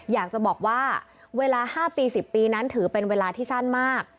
อยากจะบอกว่าเวลา๕ปี๑๐ปีนั้นถือเป็นเวลาที่สั้นมาก